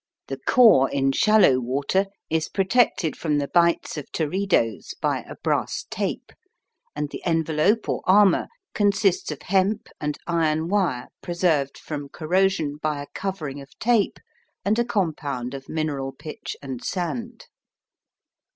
The core in shallow water is protected from the bites of teredoes by a brass tape, and the envelope or armour consists of hemp and iron wire preserved from corrosion by a covering of tape and a compound of mineral pitch and sand.